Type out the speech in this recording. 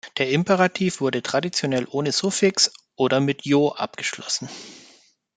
Der Imperativ wurde traditionell ohne Suffix oder mit -yo abgeschlossen.